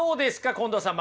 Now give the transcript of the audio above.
近藤さん